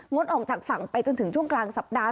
ดออกจากฝั่งไปจนถึงช่วงกลางสัปดาห